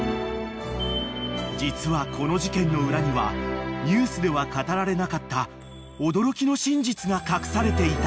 ［実はこの事件の裏にはニュースでは語られなかった驚きの真実が隠されていた］